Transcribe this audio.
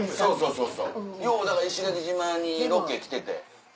よう石垣島にロケ来てて。